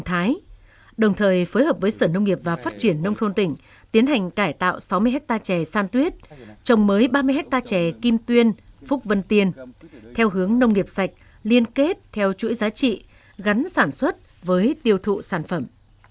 đồng thời phối hợp với sở nông nghiệp và phát triển nông thôn tỉnh tiến hành cải tạo sáu mươi hectare chè san tuyết trồng mới ba mươi hectare chè kim tuyên phúc vân tiên theo hướng nông nghiệp sạch liên kết theo chuỗi giá trị gắn sản xuất với tiêu thụ sản phẩm